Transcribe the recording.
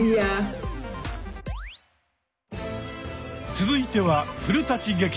続いては「古劇場」。